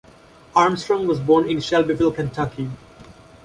Armstrong was born in Shelbyville, Kentucky.